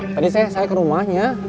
tadi saya ke rumahnya